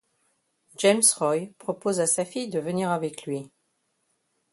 James Roy propose à sa fille de venir avec lui.